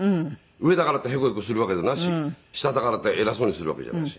上だからってヘコヘコするわけでなし下だからって偉そうにするわけじゃないし。